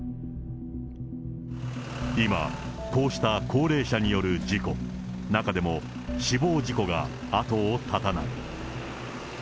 今、こうした高齢者による事故、中でも死亡事故が後を絶たない。